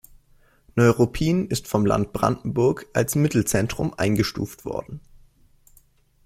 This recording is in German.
Neuruppin ist vom Land Brandenburg als Mittelzentrum eingestuft worden.